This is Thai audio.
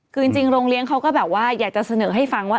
คือจริงโรงเลี้ยงเขาก็แบบว่าอยากจะเสนอให้ฟังว่า